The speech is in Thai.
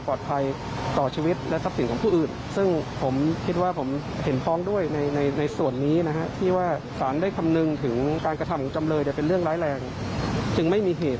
ก็ต้องพร้อมสู้ครับ